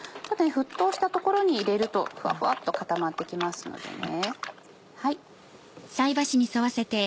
沸騰したところに入れるとふわふわっと固まって来ますのでね。